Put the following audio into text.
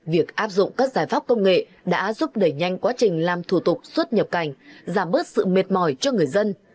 việc áp dụng các giải pháp công nghệ đã giúp đẩy nhanh quá trình làm thủ tục xuất nhập cảnh giảm bớt sự mệt mỏi cho người dân